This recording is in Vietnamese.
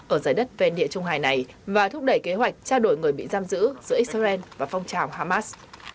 ở giải đất ven địa trung hài này và thúc đẩy kế hoạch trao đổi người bị giam giữ giữa israel và phong trào hamas